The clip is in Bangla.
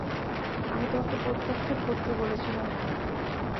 আমি তোমাকে প্রত্যাখান করতে বলেছিলাম তো!